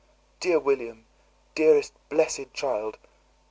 Dear William! dearest blessed child!